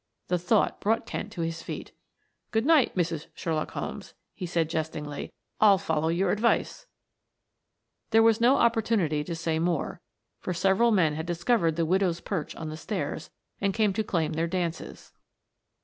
The thought brought Kent to his feet. "Good night, Mrs. Sherlock Holmes," he said jestingly, "I'll follow your advice" There was no opportunity to say more, for several men had discovered the widow's perch on the stairs and came to claim their dances.